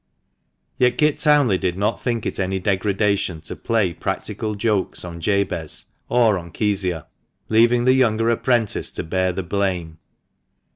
Yet Kit Townley did not think it any degradation to play practical jokes on Jabez, or on Kezia, leaving the younger appren tice to bear the blame.